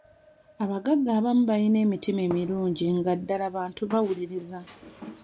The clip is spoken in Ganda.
Abagagga abamu bayina emitima emirungi nga ddala bantu bawuliriza.